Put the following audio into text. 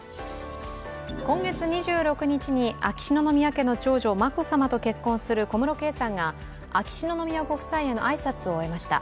今月２６日に秋篠宮家の長女、眞子さまと結婚する小室圭さんが秋篠宮ご夫妻への挨拶を終えました。